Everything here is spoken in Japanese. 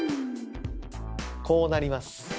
こうなります。